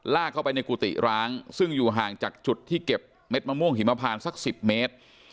เข้าไปในกุฏิร้างซึ่งอยู่ห่างจากจุดที่เก็บเม็ดมะม่วงหิมพานสัก๑๐เมตร